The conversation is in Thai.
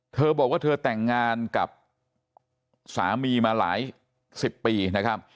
เธอบอกว่าเธอแต่งงานกับสามีมาหลายสิบปีนะครับ